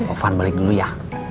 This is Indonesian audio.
iva balik dulu ya